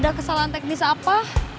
ada kesalahan teknis apa